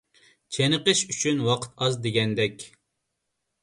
چېنىقىش ئۈچۈن ۋاقىت ئاز دېگەندەك.